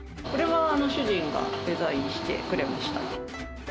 これは主人がデザインしてくれました。